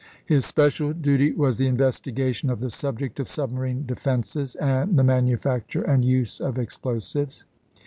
His special duty was the investigation of the subject of submarine defenses, and the manu facture and use of explosives.